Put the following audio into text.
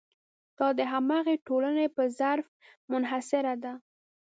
دا د همغې ټولنې په ظرف منحصره ده.